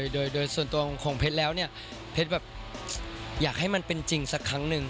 โดยส่วนตัวของเพชรแล้วเนี่ยเพชรแบบอยากให้มันเป็นจริงสักครั้งหนึ่ง